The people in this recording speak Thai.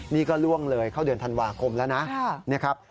นี่ก็ล่วงเลยเข้าเดือนธันวาคมแล้วนะครับ